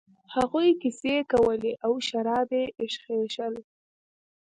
هغوی کیسې کولې او شراب یې ایشخېشل.